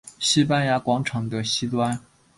西班牙广场的西端。